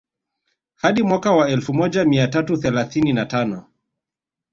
Hadi mwaka wa elfu moja mia tatu thelathini na tano